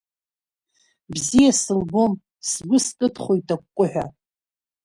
Бзиа сылбом, сгәы скыдхоит акәкәыҳәа.